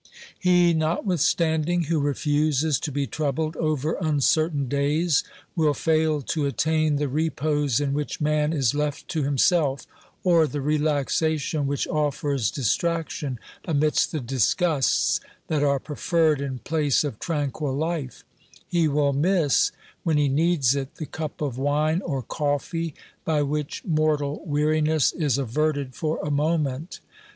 He, notwithstanding, who refuses to be troubled over uncertain days will fail to attain the repose in which man is left to himself, or the relaxation which offers distraction amidst the disgusts that are preferred in place of tranquil life; he will miss, when he needs it, the cup of wine or coffee by which mortal weariness is averted for a moment.